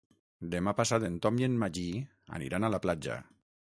Demà passat en Tom i en Magí aniran a la platja.